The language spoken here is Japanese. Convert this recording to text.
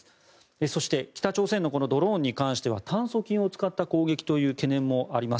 そして北朝鮮のドローンに関しては炭疽菌を使った攻撃という懸念もあります。